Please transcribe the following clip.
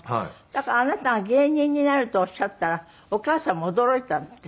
だからあなたが芸人になるとおっしゃったらお母様は驚いたって。